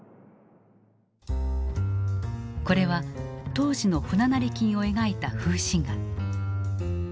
これは当時の船成金を描いた風刺画。